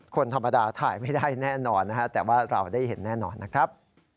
คนธรรมดาถ่ายไม่ได้แน่นอนนะฮะแต่ว่าเราได้เห็นแน่นอนนะครับ